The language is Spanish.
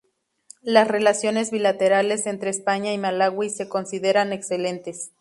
Las relaciones bilaterales entre España y Malawi se consideran excelentes.